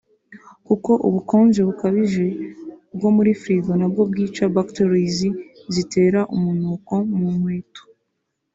kuko ubukonje bukabije bwo muri frigo nabwo bwica bacteries zitera umunuko mu nkweto